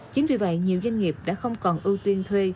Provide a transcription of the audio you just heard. chính vì vậy nhiều doanh nghiệp đã không còn ưu tiên thuê